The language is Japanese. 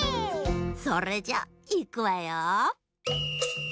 それじゃいくわよ。